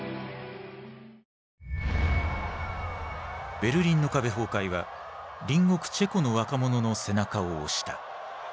ベルリンの壁崩壊は隣国チェコの若者の背中を押した。